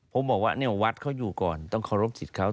ผมบอกว่าเนี่ยวัดเขาอยู่ก่อนต้องเคารพสิทธิ์เขา